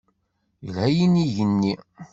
Yelha yinig-nni.